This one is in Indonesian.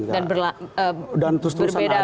dan berbeda juga berbeda partai